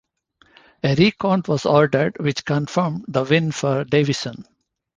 A recount was ordered which confirmed the win for Davison.